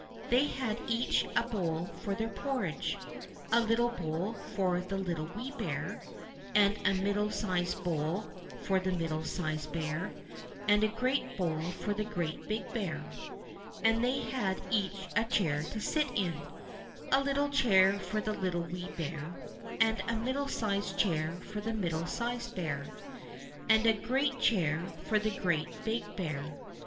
They had each a bowl for their porridge ; a little bowl for the Little Wee Bear ; and a middle sized bowl for the Middle sized Bear ; and a great bowl for the Great Big Bear. And they had each a chair to sit in ; a little chair for the Little Wee Bear ; and a middle sized chair for the Middle sized Bear ; and a great chair for the Great Big Bear.